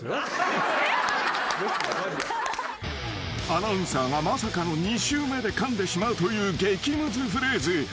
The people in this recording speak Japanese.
［アナウンサーがまさかの２周目でかんでしまうという激ムズフレーズ］